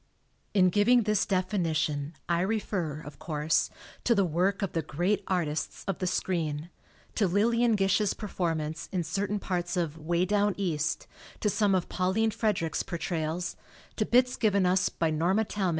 In giving this definition I refer, of course, to the work of the great artists of the screen to Lillian Gish's per formance in certain parts of "Way Down East," to some of Pauline Frederick's portrayals, to bits given us by Norma Talmad.